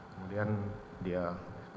kemudian dia keluar